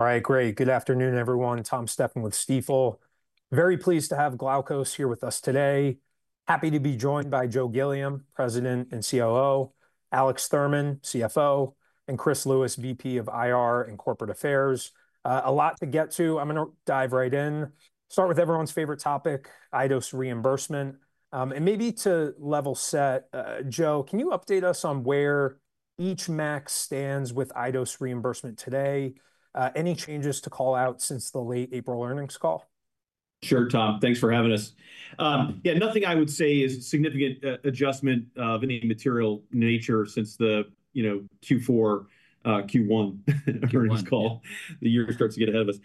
All right, great. Good afternoon, everyone. Tom Stephan with Stifel. Very pleased to have Glaukos here with us today. Happy to be joined by Joe Gilliam, President and COO, Alex Thurman, CFO, and Chris Lewis, VP of IR and Corporate Affairs. A lot to get to. I'm going to dive right in. Start with everyone's favorite topic, iDose reimbursement. Maybe to level set, Joe, can you update us on where each MAC stands with iDose reimbursement today? Any changes to call out since the late April earnings call? Sure, Tom. Thanks for having us. Yeah, nothing I would say is a significant adjustment of any material nature since the, you know, Q4, Q1 earnings call. The year starts to get ahead of us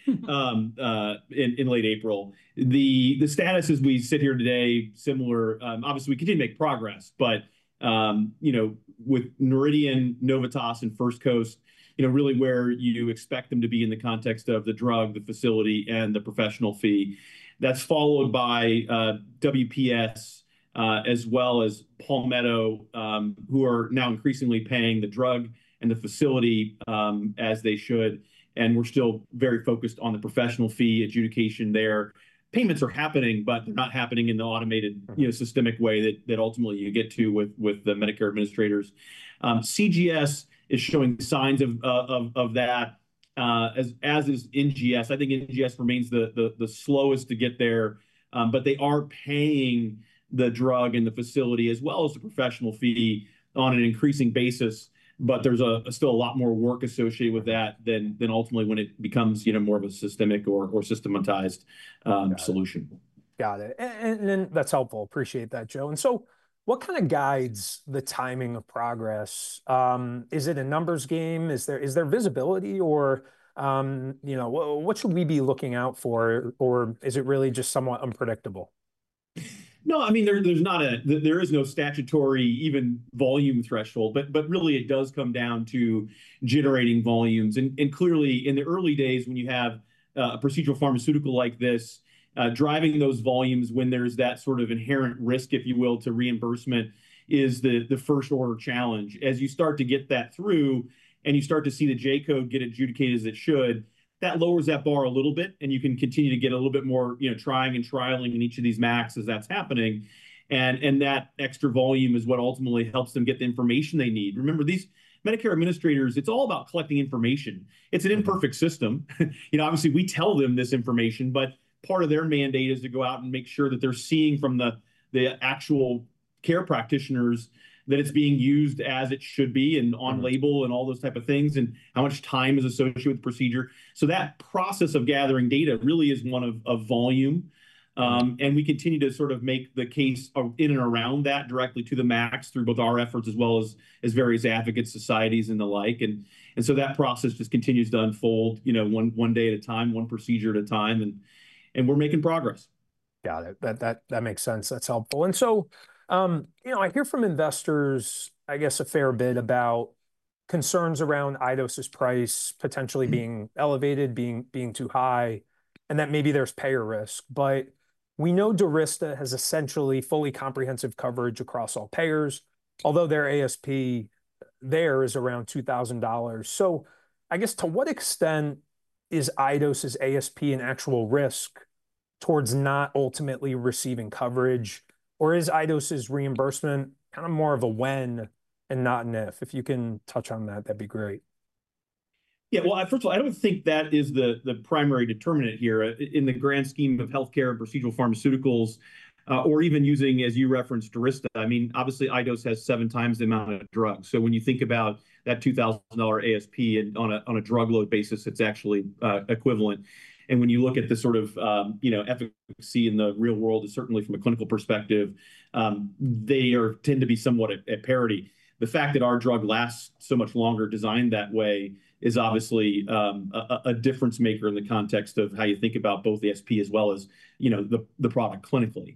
in late April. The status as we sit here today, similar. Obviously, we continue to make progress, but, you know, with Meridian, Novitas, and First Coast, you know, really where you expect them to be in the context of the drug, the facility, and the professional fee. That is followed by WPS, as well as Palmetto, who are now increasingly paying the drug and the facility as they should. We are still very focused on the professional fee adjudication there. Payments are happening, but they are not happening in the automated, you know, systemic way that ultimately you get to with the Medicare administrators. CGS is showing signs of that, as is NGS. I think NGS remains the slowest to get there, but they are paying the drug and the facility as well as the professional fee on an increasing basis. There is still a lot more work associated with that than ultimately when it becomes, you know, more of a systemic or systematized solution. Got it. That is helpful. Appreciate that, Joe. What kind of guides the timing of progress? Is it a numbers game? Is there visibility or, you know, what should we be looking out for? Is it really just somewhat unpredictable? No, I mean, there's not a, there is no statutory even volume threshold, but really it does come down to generating volumes. And clearly in the early days when you have a procedural pharmaceutical like this, driving those volumes when there's that sort of inherent risk, if you will, to reimbursement is the first order challenge. As you start to get that through and you start to see the J-code get adjudicated as it should, that lowers that bar a little bit and you can continue to get a little bit more, you know, trying and trialing in each of these MACs as that's happening. And that extra volume is what ultimately helps them get the information they need. Remember, these Medicare administrators, it's all about collecting information. It's an imperfect system. You know, obviously we tell them this information, but part of their mandate is to go out and make sure that they're seeing from the actual care practitioners that it's being used as it should be and on label and all those type of things and how much time is associated with the procedure. That process of gathering data really is one of volume. We continue to sort of make the case in and around that directly to the MACs through both our efforts as well as various advocate societies and the like. That process just continues to unfold, you know, one day at a time, one procedure at a time, and we're making progress. Got it. That makes sense. That's helpful. You know, I hear from investors, I guess, a fair bit about concerns around iDose's price potentially being elevated, being too high, and that maybe there's payer risk. We know DURYSTA has essentially fully comprehensive coverage across all payers, although their ASP there is around $2,000. I guess to what extent is iDose's ASP an actual risk towards not ultimately receiving coverage? Or is iDose's reimbursement kind of more of a when and not an if? If you can touch on that, that'd be great. Yeah, first of all, I don't think that is the primary determinant here in the grand scheme of healthcare and procedural pharmaceuticals, or even using, as you referenced, DURYSTA. I mean, obviously iDose has seven times the amount of drugs. So when you think about that $2,000 ASP and on a drug load basis, it's actually equivalent. And when you look at the sort of, you know, efficacy in the real world, it's certainly from a clinical perspective, they tend to be somewhat at parity. The fact that our drug lasts so much longer, designed that way, is obviously a difference maker in the context of how you think about both the ASP as well as, you know, the product clinically.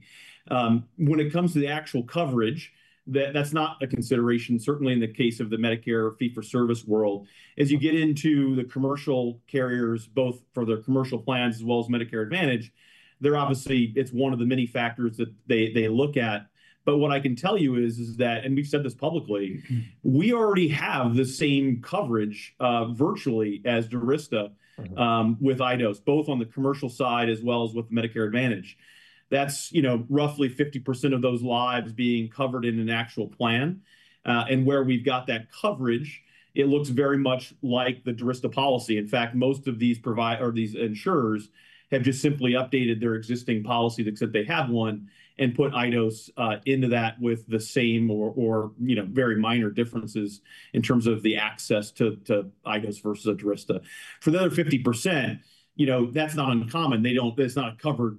When it comes to the actual coverage, that's not a consideration, certainly in the case of the Medicare fee-for-service world. As you get into the commercial carriers, both for their commercial plans as well as Medicare Advantage, they're obviously, it's one of the many factors that they look at. But what I can tell you is that, and we've said this publicly, we already have the same coverage virtually as DURYSTA with iDose, both on the commercial side as well as with Medicare Advantage. That's, you know, roughly 50% of those lives being covered in an actual plan. And where we've got that coverage, it looks very much like the DURYSTA policy. In fact, most of these providers or these insurers have just simply updated their existing policy that said they have one and put iDose into that with the same or, you know, very minor differences in terms of the access to iDose versus a DURYSTA. For the other 50%, you know, that's not uncommon. They don't, it's not a covered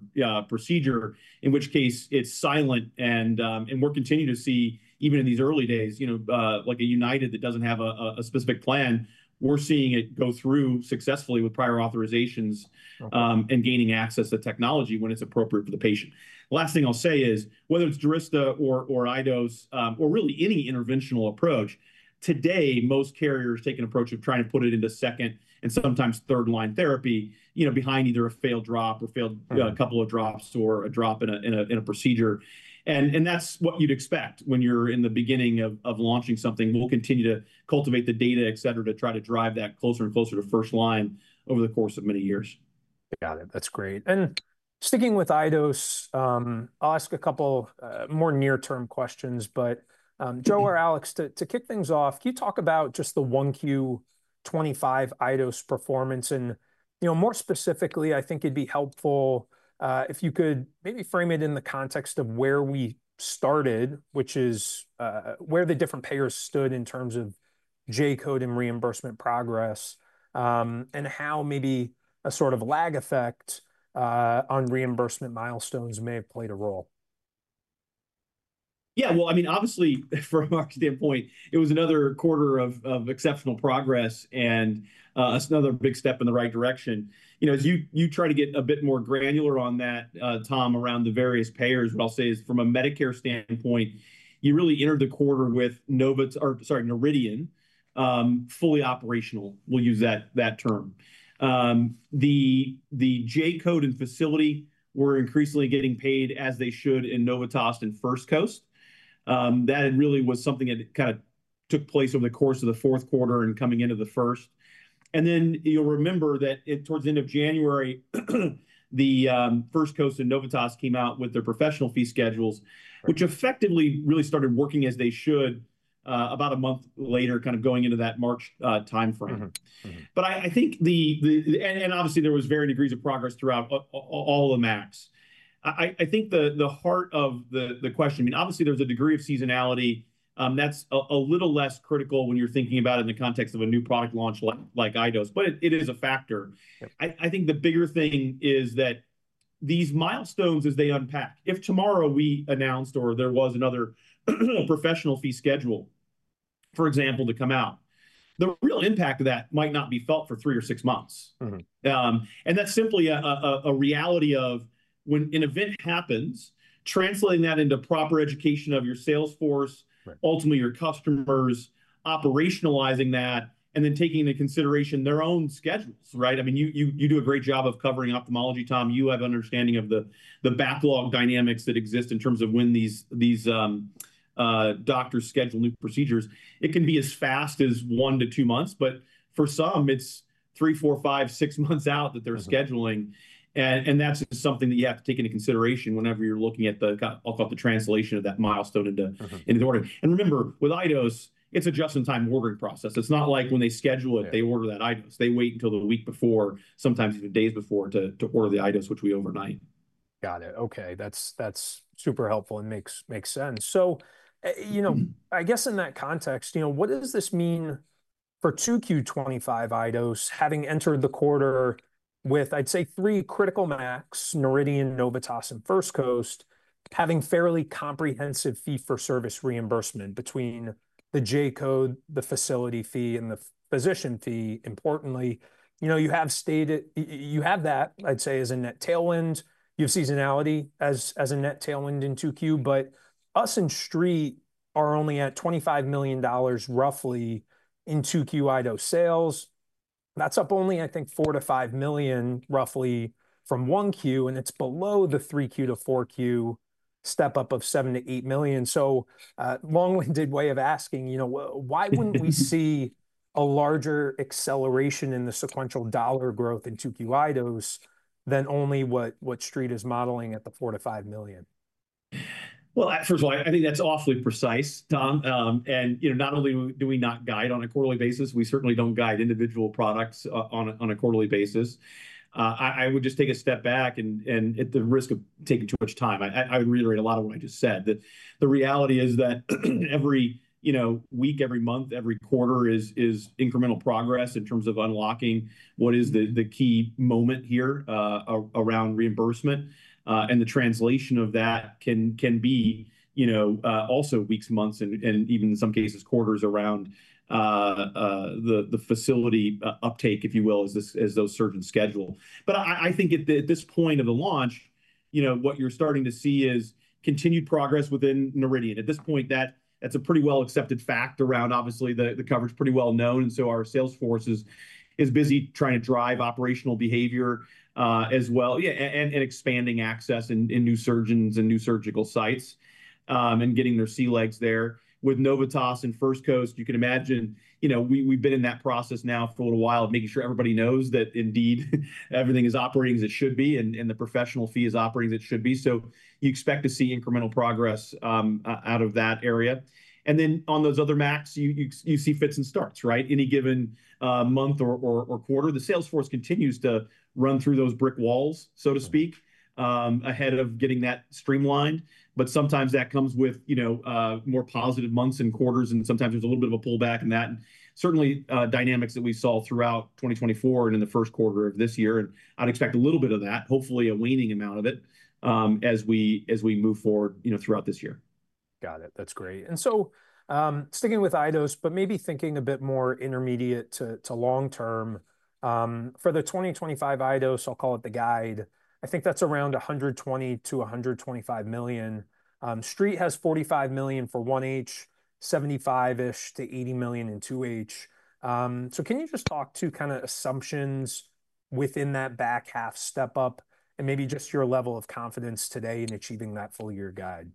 procedure, in which case it's silent. We're continuing to see, even in these early days, you know, like a United that doesn't have a specific plan, we're seeing it go through successfully with prior authorizations and gaining access to technology when it's appropriate for the patient. Last thing I'll say is, whether it's DURYSTA or iDose or really any interventional approach, today most carriers take an approach of trying to put it into second and sometimes third line therapy, you know, behind either a failed drop or failed a couple of drops or a drop in a procedure. That's what you'd expect when you're in the beginning of launching something. We'll continue to cultivate the data, et cetera, to try to drive that closer and closer to first line over the course of many years. Got it. That's great. Sticking with iDose, I'll ask a couple more near-term questions, but Joe or Alex, to kick things off, can you talk about just the 1Q 2025 iDose performance? You know, more specifically, I think it'd be helpful if you could maybe frame it in the context of where we started, which is where the different payers stood in terms of J-code and reimbursement progress, and how maybe a sort of lag effect on reimbursement milestones may have played a role. Yeah, I mean, obviously from our standpoint, it was another quarter of exceptional progress and another big step in the right direction. You know, as you try to get a bit more granular on that, Tom, around the various payers, what I'll say is from a Medicare standpoint, you really entered the quarter with Meridian, fully operational, we'll use that term. The J-code and facility were increasingly getting paid as they should in Novitas and First Coast. That really was something that kind of took place over the course of the fourth quarter and coming into the first. You remember that towards the end of January, First Coast and Novitas came out with their professional fee schedules, which effectively really started working as they should about a month later, kind of going into that March timeframe. I think the, and obviously there was varying degrees of progress throughout all the MACs. I think the heart of the question, I mean, obviously there's a degree of seasonality. That's a little less critical when you're thinking about it in the context of a new product launch like iDose, but it is a factor. I think the bigger thing is that these milestones, as they unpack, if tomorrow we announced or there was another professional fee schedule, for example, to come out, the real impact of that might not be felt for three or six months. That's simply a reality of when an event happens, translating that into proper education of your salesforce, ultimately your customers, operationalizing that, and then taking into consideration their own schedules, right? I mean, you do a great job of covering ophthalmology, Tom. You have an understanding of the backlog dynamics that exist in terms of when these doctors schedule new procedures. It can be as fast as one to two months, but for some, it's three, four, five, six months out that they're scheduling. That's something that you have to take into consideration whenever you're looking at the, I'll call it the translation of that milestone into the order. Remember, with iDose, it's a just-in-time ordering process. It's not like when they schedule it, they order that iDose. They wait until the week before, sometimes even days before to order the iDose, which we overnight. Got it. Okay. That's super helpful and makes sense. You know, I guess in that context, you know, what does this mean for 2Q 2025 iDose, having entered the quarter with, I'd say, three critical MACs, Meridian, Novitas, and First Coast, having fairly comprehensive fee-for-service reimbursement between the J-code, the facility fee, and the physician fee? Importantly, you know, you have stated, you have that, I'd say, as a net tailwind. You have seasonality as a net tailwind in 2Q, but us in street are only at $25 million roughly in 2Q iDose sales. That's up only, I think, $4 million-$5 million roughly from 1Q, and it's below the 3Q to 4Q step up of $7 million-$8 million. Long-winded way of asking, you know, why would not we see a larger acceleration in the sequential dollar growth in 2Q iDose than only what street is modeling at the $4 million-$5 million? First of all, I think that's awfully precise, Tom. You know, not only do we not guide on a quarterly basis, we certainly do not guide individual products on a quarterly basis. I would just take a step back and, at the risk of taking too much time, I would reiterate a lot of what I just said, that the reality is that every, you know, week, every month, every quarter is incremental progress in terms of unlocking what is the key moment here around reimbursement. The translation of that can be, you know, also weeks, months, and even in some cases, quarters around the facility uptake, if you will, as those surgeons schedule. I think at this point of the launch, you know, what you're starting to see is continued progress within Meridian. At this point, that's a pretty well-accepted fact around obviously the coverage, pretty well-known. Our salesforce is busy trying to drive operational behavior as well, yeah, and expanding access in new surgeons and new surgical sites and getting their sea legs there. With Novitas and First Coast, you can imagine, you know, we've been in that process now for a little while of making sure everybody knows that indeed everything is operating as it should be and the professional fee is operating as it should be. You expect to see incremental progress out of that area. On those other MACs, you see fits and starts, right? Any given month or quarter, the salesforce continues to run through those brick walls, so to speak, ahead of getting that streamlined. Sometimes that comes with, you know, more positive months and quarters, and sometimes there's a little bit of a pullback in that. Certainly dynamics that we saw throughout 2024 and in the first quarter of this year, and I'd expect a little bit of that, hopefully a waning amount of it as we move forward, you know, throughout this year. Got it. That's great. Sticking with iDose, but maybe thinking a bit more intermediate to long term, for the 2025 iDose, I'll call it the guide, I think that's around $120 million-$125 million. Street has $45 million for 1H, $75 million-$80 million in 2H. Can you just talk to kind of assumptions within that back half step up and maybe just your level of confidence today in achieving that full year guide?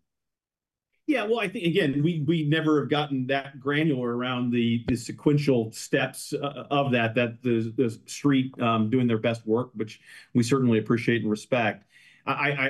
Yeah, I think again, we never have gotten that granular around the sequential steps of that, that the street doing their best work, which we certainly appreciate and respect.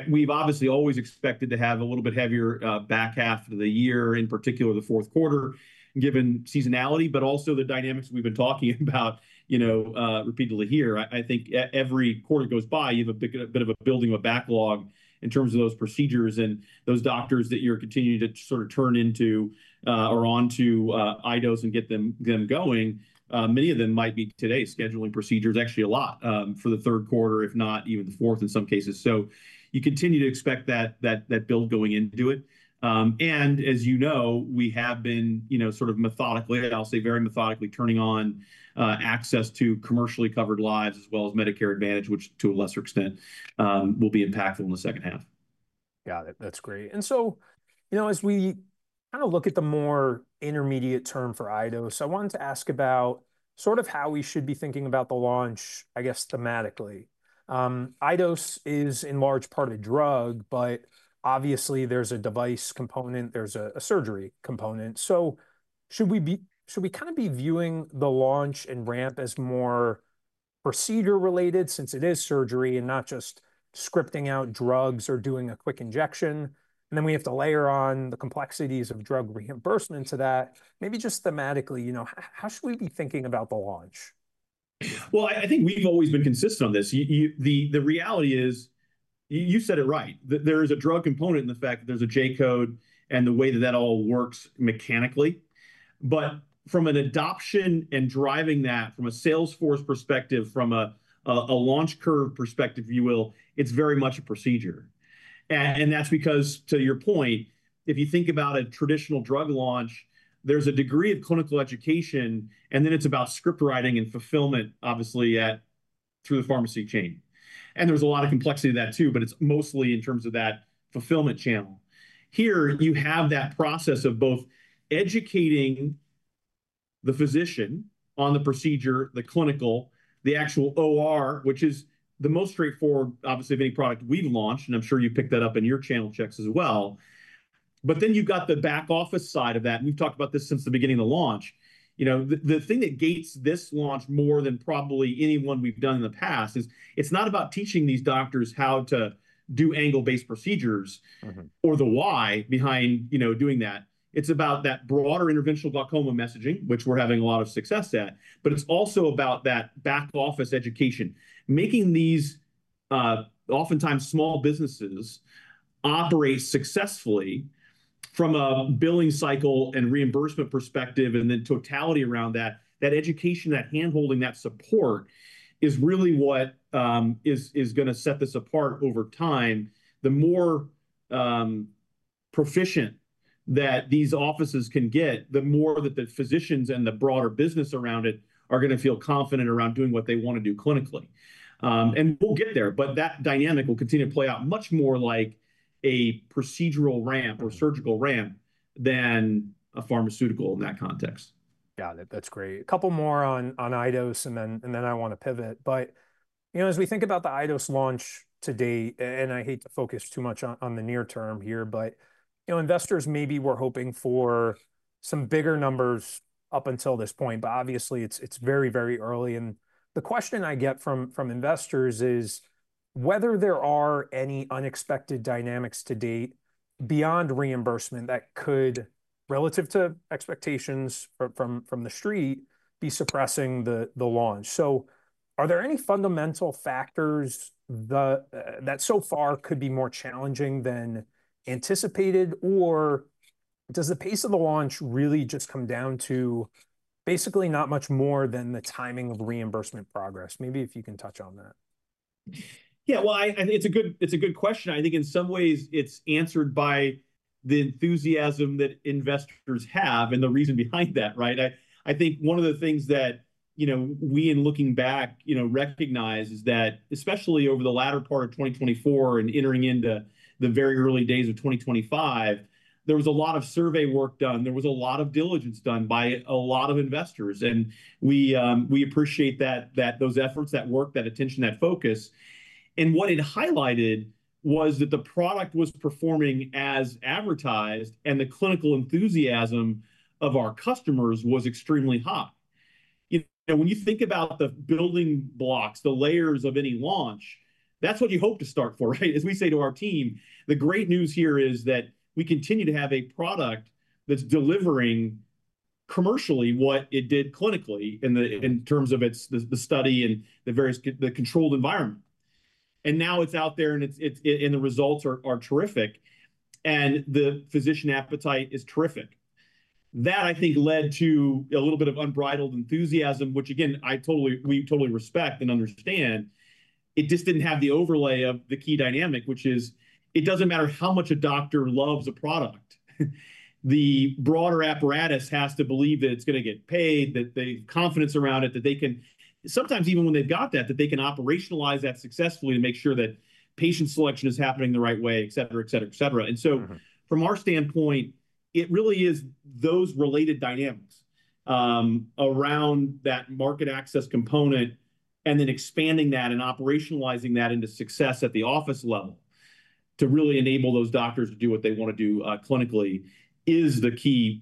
We've obviously always expected to have a little bit heavier back half of the year, in particular the fourth quarter, given seasonality, but also the dynamics we've been talking about, you know, repeatedly here. I think every quarter goes by, you have a bit of a building of a backlog in terms of those procedures and those doctors that you're continuing to sort of turn into or onto iDose and get them going. Many of them might be today scheduling procedures actually a lot for the third quarter, if not even the fourth in some cases. You continue to expect that build going into it. As you know, we have been, you know, sort of methodically, I'll say very methodically turning on access to commercially covered lives as well as Medicare Advantage, which to a lesser extent will be impactful in the second half. Got it. That's great. As we kind of look at the more intermediate term for iDose, I wanted to ask about sort of how we should be thinking about the launch, I guess thematically. iDose is in large part a drug, but obviously there's a device component, there's a surgery component. Should we kind of be viewing the launch and ramp as more procedure related since it is surgery and not just scripting out drugs or doing a quick injection? We have to layer on the complexities of drug reimbursement to that. Maybe just thematically, you know, how should we be thinking about the launch? I think we've always been consistent on this. The reality is, you said it right, that there is a drug component in the fact that there's a J-code and the way that that all works mechanically. From an adoption and driving that from a salesforce perspective, from a launch curve perspective, if you will, it's very much a procedure. That's because, to your point, if you think about a traditional drug launch, there's a degree of clinical education, and then it's about script writing and fulfillment, obviously through the pharmacy chain. There's a lot of complexity of that too, but it's mostly in terms of that fulfillment channel. Here you have that process of both educating the physician on the procedure, the clinical, the actual OR, which is the most straightforward, obviously, of any product we've launched, and I'm sure you picked that up in your channel checks as well. You know, the thing that gaits this launch more than probably anyone we've done in the past is it's not about teaching these doctors how to do angle-based procedures or the why behind, you know, doing that. It's about that broader interventional glaucoma messaging, which we're having a lot of success at, but it's also about that back office education. Making these oftentimes small businesses operate successfully from a billing cycle and reimbursement perspective, and then totality around that, that education, that handholding, that support is really what is going to set this apart over time. The more proficient that these offices can get, the more that the physicians and the broader business around it are going to feel confident around doing what they want to do clinically. We'll get there, but that dynamic will continue to play out much more like a procedural ramp or surgical ramp than a pharmaceutical in that context. Got it. That's great. A couple more on iDose and then I want to pivot. You know, as we think about the iDose launch today, and I hate to focus too much on the near term here, but, you know, investors maybe were hoping for some bigger numbers up until this point, but obviously it's very, very early. The question I get from investors is whether there are any unexpected dynamics to date beyond reimbursement that could, relative to expectations from the street, be suppressing the launch. Are there any fundamental factors that so far could be more challenging than anticipated, or does the pace of the launch really just come down to basically not much more than the timing of reimbursement progress? Maybe if you can touch on that. Yeah, it's a good question. I think in some ways it's answered by the enthusiasm that investors have and the reason behind that, right? I think one of the things that, you know, we in looking back, you know, recognize is that especially over the latter part of 2024 and entering into the very early days of 2025, there was a lot of survey work done. There was a lot of diligence done by a lot of investors. We appreciate those efforts, that work, that attention, that focus. What it highlighted was that the product was performing as advertised and the clinical enthusiasm of our customers was extremely high. You know, when you think about the building blocks, the layers of any launch, that's what you hope to start for, right? As we say to our team, the great news here is that we continue to have a product that's delivering commercially what it did clinically in terms of the study and the controlled environment. Now it's out there and the results are terrific and the physician appetite is terrific. That I think led to a little bit of unbridled enthusiasm, which again, I totally, we totally respect and understand. It just didn't have the overlay of the key dynamic, which is it doesn't matter how much a doctor loves a product. The broader apparatus has to believe that it's going to get paid, that they have confidence around it, that they can sometimes even when they've got that, that they can operationalize that successfully to make sure that patient selection is happening the right way, et cetera, et cetera, et cetera. From our standpoint, it really is those related dynamics around that market access component and then expanding that and operationalizing that into success at the office level to really enable those doctors to do what they want to do clinically is the key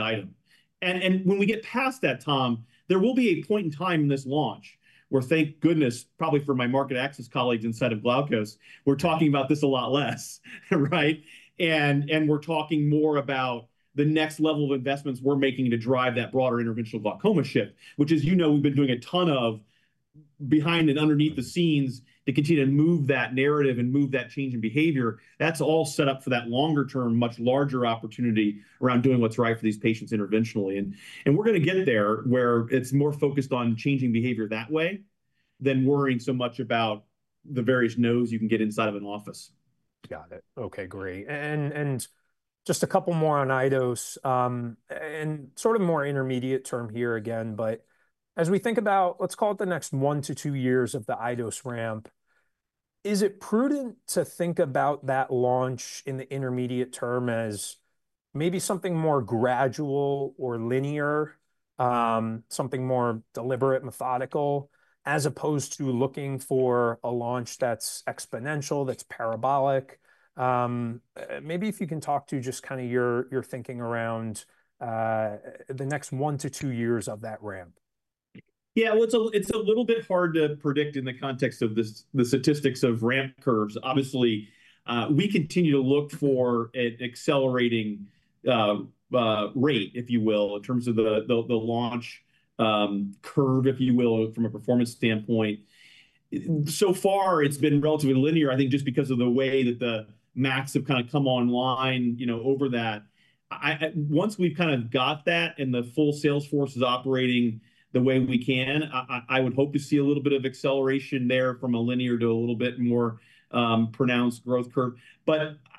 item. When we get past that, Tom, there will be a point in time in this launch where, thank goodness, probably for my market access colleagues inside of Glaukos, we're talking about this a lot less, right? We're talking more about the next level of investments we're making to drive that broader interventional glaucoma shift, which is, you know, we've been doing a ton of behind and underneath the scenes to continue to move that narrative and move that change in behavior. That's all set up for that longer term, much larger opportunity around doing what's right for these patients interventionally. We're going to get there where it's more focused on changing behavior that way than worrying so much about the various no's you can get inside of an office. Got it. Okay, great. Just a couple more on iDose and sort of more intermediate term here again, but as we think about, let's call it the next one to two years of the iDose ramp, is it prudent to think about that launch in the intermediate term as maybe something more gradual or linear, something more deliberate, methodical, as opposed to looking for a launch that's exponential, that's parabolic? Maybe if you can talk to just kind of your thinking around the next one to two years of that ramp. Yeah, it's a little bit hard to predict in the context of the statistics of ramp curves. Obviously, we continue to look for an accelerating rate, if you will, in terms of the launch curve, if you will, from a performance standpoint. So far, it's been relatively linear, I think just because of the way that the MACs have kind of come online, you know, over that. Once we've kind of got that and the full salesforce is operating the way we can, I would hope to see a little bit of acceleration there from a linear to a little bit more pronounced growth curve.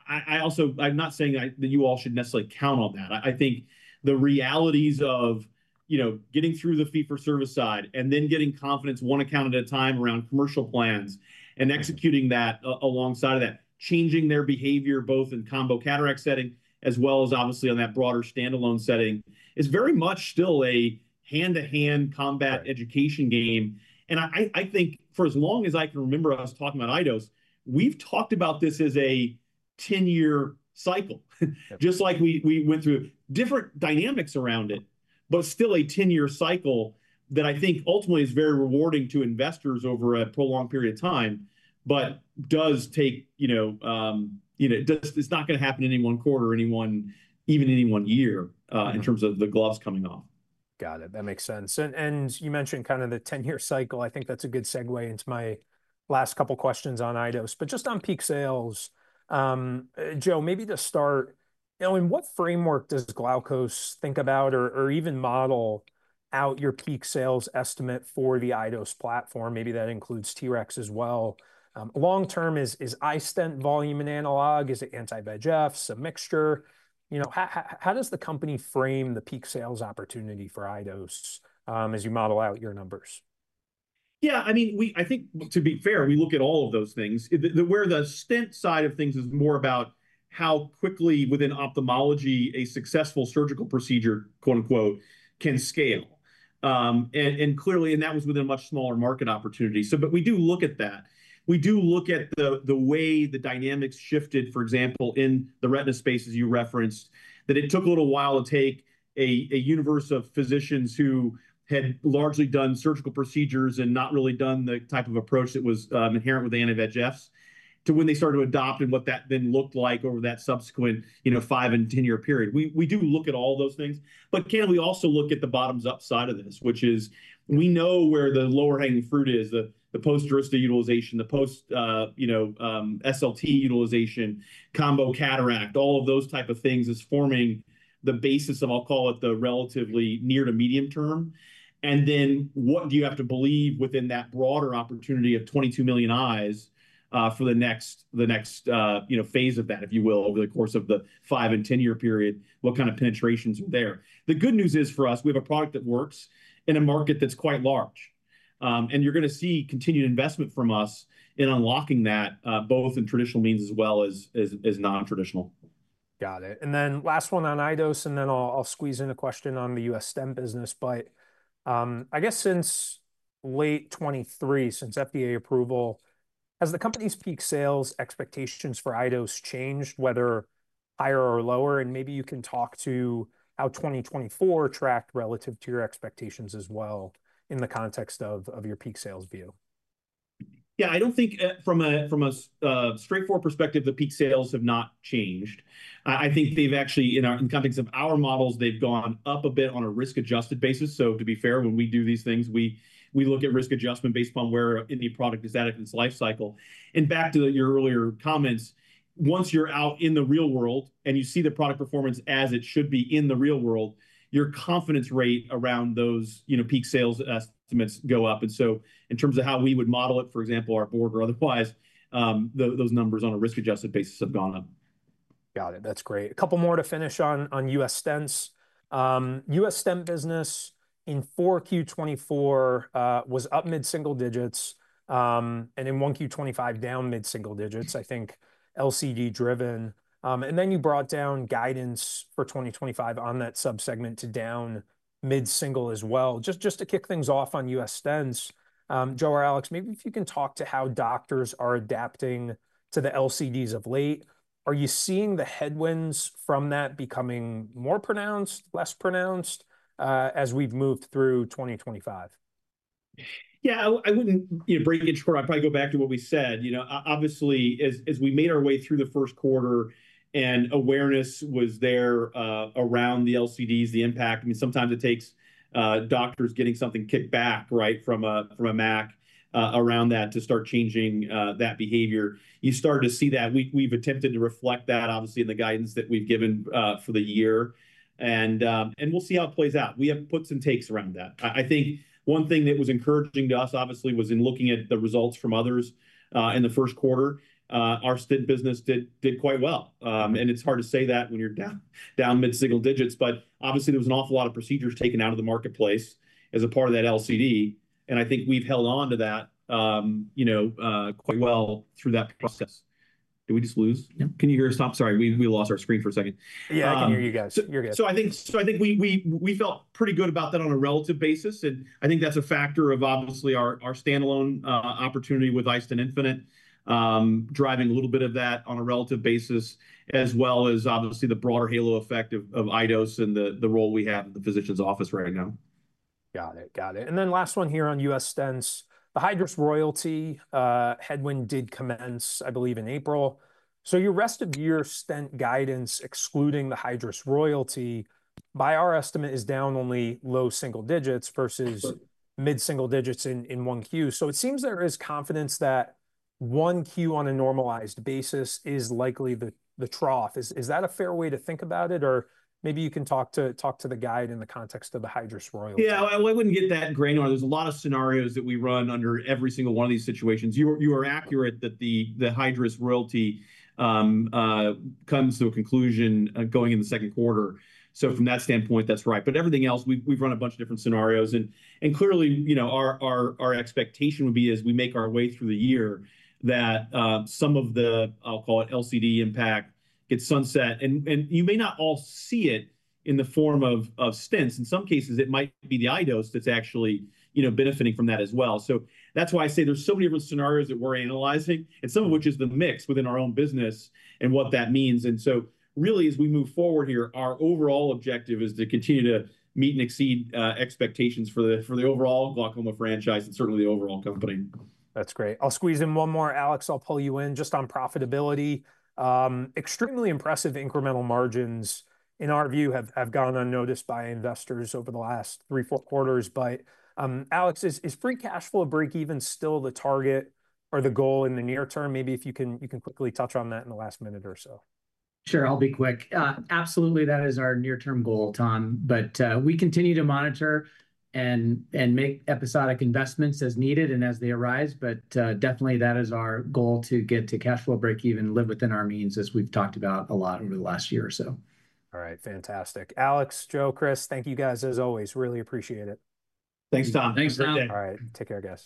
I also, I'm not saying that you all should necessarily count on that. I think the realities of, you know, getting through the fee-for-service side and then getting confidence one account at a time around commercial plans and executing that alongside of that, changing their behavior both in combo cataract setting as well as obviously on that broader standalone setting is very much still a hand-to-hand combat education game. I think for as long as I can remember, I was talking about iDose, we've talked about this as a 10-year cycle, just like we went through different dynamics around it, but still a 10-year cycle that I think ultimately is very rewarding to investors over a prolonged period of time, but does take, you know, it's not going to happen in any one quarter or even any one year in terms of the gloves coming off. Got it. That makes sense. You mentioned kind of the 10-year cycle. I think that's a good segue into my last couple of questions on iDose. Just on peak sales, Joe, maybe to start, in what framework does Glaukos think about or even model out your peak sales estimate for the iDose platform? Maybe that includes TREX as well. Long term is iStent volume an analog? Is it anti-VEGF, some mixture? You know, how does the company frame the peak sales opportunity for iDose as you model out your numbers? Yeah, I mean, I think to be fair, we look at all of those things where the stent side of things is more about how quickly within ophthalmology a successful surgical procedure, quote unquote, can scale. Clearly, that was within a much smaller market opportunity. We do look at that. We do look at the way the dynamics shifted, for example, in the retina spaces you referenced, that it took a little while to take a universe of physicians who had largely done surgical procedures and not really done the type of approach that was inherent with anti-VEGF to when they started to adopt and what that then looked like over that subsequent, you know, five and 10-year period. We do look at all those things, but can we also look at the bottoms up side of this, which is we know where the lower hanging fruit is, the post-DURYSTA utilization, the post, you know, SLT utilization, combo cataract, all of those type of things is forming the basis of, I'll call it the relatively near to medium term. And then what do you have to believe within that broader opportunity of 22 million eyes for the next, you know, phase of that, if you will, over the course of the five and 10-year period, what kind of penetrations are there? The good news is for us, we have a product that works in a market that's quite large. And you're going to see continued investment from us in unlocking that both in traditional means as well as non-traditional. Got it. Last one on iDose, and then I'll squeeze in a question on the U.S. stent business, but I guess since late 2023, since FDA approval, has the company's peak sales expectations for iDose changed, whether higher or lower? Maybe you can talk to how 2024 tracked relative to your expectations as well in the context of your peak sales view. Yeah, I don't think from a straightforward perspective, the peak sales have not changed. I think they've actually, in the context of our models, they've gone up a bit on a risk-adjusted basis. To be fair, when we do these things, we look at risk adjustment based upon where in the product is at in its life cycle. Back to your earlier comments, once you're out in the real world and you see the product performance as it should be in the real world, your confidence rate around those, you know, peak sales estimates go up. In terms of how we would model it, for example, our board or otherwise, those numbers on a risk-adjusted basis have gone up. Got it. That's great. A couple more to finish on U.S. stents. U.S. stent business in Q4 2024 was up mid-single digits and in Q1 2025 down mid-single digits, I think LCD driven. And then you brought down guidance for 2025 on that subsegment to down mid-single as well. Just to kick things off on U.S. stents, Joe or Alex, maybe if you can talk to how doctors are adapting to the LCDs of late, are you seeing the headwinds from that becoming more pronounced, less pronounced as we've moved through 2025? Yeah, I would not break it short. I probably go back to what we said. You know, obviously, as we made our way through the first quarter and awareness was there around the LCDs, the impact, I mean, sometimes it takes doctors getting something kicked back, right, from a MAC around that to start changing that behavior. You started to see that. We have attempted to reflect that, obviously, in the guidance that we have given for the year. We will see how it plays out. We have puts and takes around that. I think one thing that was encouraging to us, obviously, was in looking at the results from others in the first quarter, our iStent business did quite well. It is hard to say that when you are down mid-single digits, but obviously there was an awful lot of procedures taken out of the marketplace as a part of that LCD. I think we've held on to that, you know, quite well through that process. Did we just lose? Can you hear us? I'm sorry, we lost our screen for a second. Yeah, I can hear you guys. You're good. I think we felt pretty good about that on a relative basis. I think that's a factor of obviously our standalone opportunity with iStent Infinite, driving a little bit of that on a relative basis, as well as obviously the broader halo effect of iDose and the role we have in the physician's office right now. Got it. Got it. Then last one here on U.S. stents, the Hydrus royalty headwind did commence, I believe, in April. Your rest of year stent guidance, excluding the Hydrus royalty, by our estimate is down only low single digits versus mid-single digits in Q1. It seems there is confidence that Q1 on a normalized basis is likely the trough. Is that a fair way to think about it? Maybe you can talk to the guide in the context of the Hydrus royalty. Yeah, I would not get that granular. There are a lot of scenarios that we run under every single one of these situations. You are accurate that the Hydrus royalty comes to a conclusion going into the second quarter. From that standpoint, that is right. Everything else, we have run a bunch of different scenarios. Clearly, you know, our expectation would be as we make our way through the year that some of the, I will call it, LCD impact gets sunset. You may not all see it in the form of stents. In some cases, it might be the iDose that is actually, you know, benefiting from that as well. That is why I say there are so many different scenarios that we are analyzing and some of which is the mix within our own business and what that means. Really as we move forward here, our overall objective is to continue to meet and exceed expectations for the overall glaucoma franchise and certainly the overall company. That's great. I'll squeeze in one more. Alex, I'll pull you in just on profitability. Extremely impressive incremental margins in our view have gone unnoticed by investors over the last three, four quarters. Alex, is free cash flow break even still the target or the goal in the near term? Maybe if you can quickly touch on that in the last minute or so. Sure, I'll be quick. Absolutely, that is our near-term goal, Tom. We continue to monitor and make episodic investments as needed and as they arise. Definitely that is our goal to get to cash flow break even and live within our means as we've talked about a lot over the last year or so. All right, fantastic. Alex, Joe, Chris, thank you guys as always. Really appreciate it. Thanks, Tom. Thanks for having me. All right, take care, guys.